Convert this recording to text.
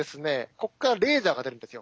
ここからレーザーが出るんですよ。